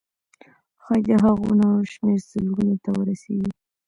ښایي د هغو نارو شمېر سلګونو ته ورسیږي.